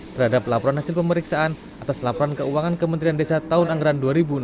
terhadap laporan hasil pemeriksaan atas laporan keuangan kementerian desa tahun anggaran dua ribu enam belas